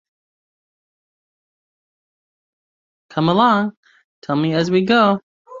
Come along — tell me as we go.